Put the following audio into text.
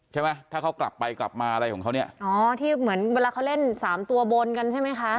ใช่ไหมถ้าเขากลับไปกลับมาอะไรของเขาเนี่ยอ๋อที่เหมือนเวลาเขาเล่นสามตัวบนกันใช่ไหมคะ